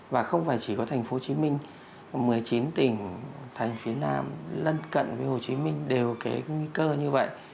và không phải chỉ có thành phố hồ chí minh một mươi chín tỉnh thành phía nam lân cận với hồ chí minh đều cái nguy cơ như vậy